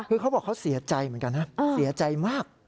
คือเขาบอกเขาเสียใจเหมือนกันนะเสียใจมาก